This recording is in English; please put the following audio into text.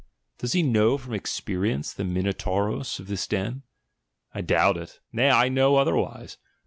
Does he know from experience the Minotauros of this den. — I doubt it — nay, I know otherwise.